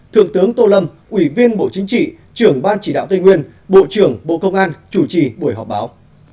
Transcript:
thượng tướng tô lâm ủy viên bộ chính trị trưởng ban chỉ đạo tây nguyên bộ trưởng bộ công an chủ trì buổi họp báo